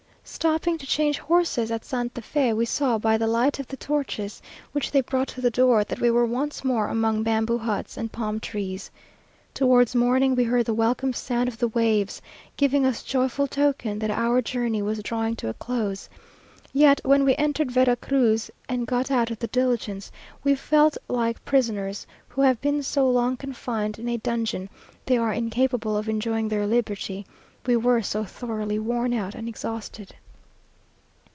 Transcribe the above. Stopping to change horses at Santa Fe, we saw, by the light of the torches which they brought to the door, that we were once more among bamboo huts and palm trees. Towards morning we heard the welcome sound of the waves, giving us joyful token that our journey was drawing to a close; yet when we entered Vera Cruz and got out of the diligence, we felt like prisoners who have been so long confined in a dungeon, they are incapable of enjoying their liberty, we were so thoroughly worn out and exhausted.